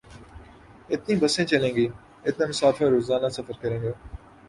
اتنی بسیں چلیں گی، اتنے مسافر روزانہ سفر کریں گے۔